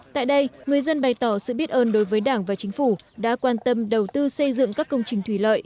tại đây người dân bày tỏ sự biết ơn đối với đảng và chính phủ đã quan tâm đầu tư xây dựng các công trình thủy lợi